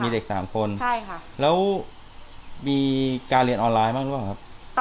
มีเด็กสามคนใช่ค่ะแล้วมีการเรียนออนไลน์บ้างหรือเปล่าครับ